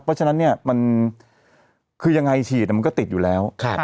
เพราะฉะนั้นเนี่ยมันคือยังไงฉีดมันก็ติดอยู่แล้ว